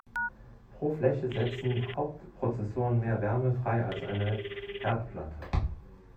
Pro Fläche setzen Hauptprozessoren mehr Wärme frei als eine Herdplatte.